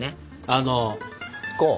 あのこう。